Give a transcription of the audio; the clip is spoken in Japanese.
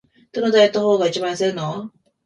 どのダイエット方法が一番痩せるの？